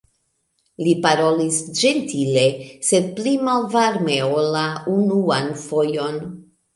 Li parolis ĝentile, sed pli malvarme ol la unuan fojon.